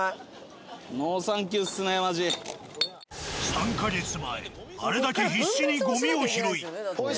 ３か月前あれだけ必死にゴミを拾い。